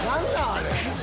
あれ。